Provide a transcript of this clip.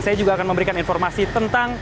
saya juga akan memberikan informasi tentang